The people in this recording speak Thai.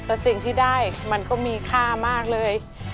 แต่สิ่งที่ได้มันก็มีค่ามากเลย